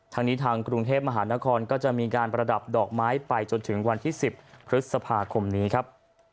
ทางนี้ทางกรุงเทพมหานครก็จะมีการประดับดอกไม้ไปจนถึงวันที่๑๐พฤษภาคมนี้ครับ